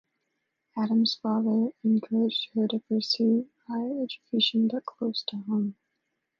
Addams's father encouraged her to pursue higher education but close to home.